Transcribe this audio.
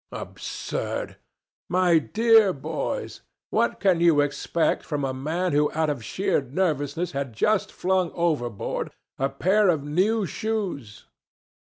Absurd! My dear boys, what can you expect from a man who out of sheer nervousness had just flung overboard a pair of new shoes.